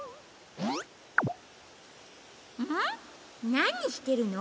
なにしてるの？